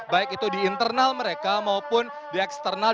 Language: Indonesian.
baik itu di internal mereka maupun di eksternal